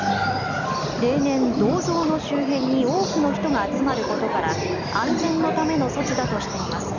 例年、銅像の周辺に多くの人が集まることから安全のための措置だとしています。